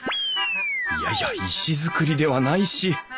いやいや石造りではないし。